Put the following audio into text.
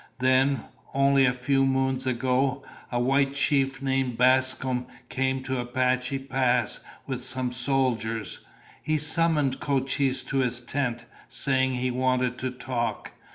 "Then, only a few moons ago, a white chief named Bascom came to Apache Pass with some soldiers. He summoned Cochise to his tent, saying he wanted to talk.